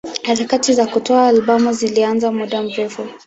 Harakati za kutoa albamu zilianza muda mrefu.